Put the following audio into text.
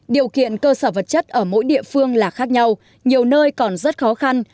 điều kiện cơ sở vật chất ở mỗi địa phương là khác nhau nhiều nơi còn rất khó khăn